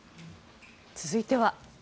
続いては。